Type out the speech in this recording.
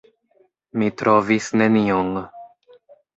Mi trovis nenion.